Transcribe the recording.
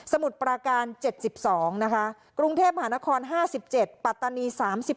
มุดปราการ๗๒นะคะกรุงเทพหานคร๕๗ปัตตานี๓๘